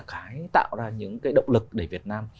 cái tạo ra những cái động lực để việt nam